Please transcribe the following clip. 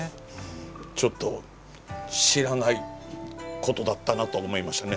ちょっと知らないことだったなと思いましたね。